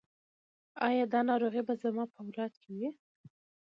ایا دا ناروغي به زما په اولاد کې وي؟